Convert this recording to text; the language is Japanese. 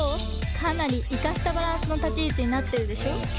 かなりいかしたバランスのたちいちになってるでしょう？